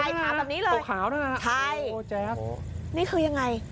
ถามแบบนี้เลยใช่นี่คือยังไง